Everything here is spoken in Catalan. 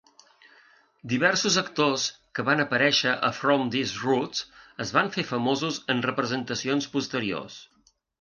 Diversos actors que van aparèixer a "From These Roots" es van fer famosos en representacions posteriors.